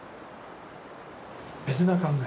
別な考え。